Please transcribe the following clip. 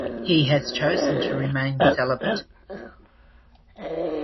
He has chosen to remain celibate.